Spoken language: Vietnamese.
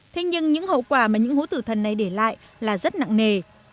thế nhưng những hậu quả mà những hố tử thần này để lại là rất nặng nề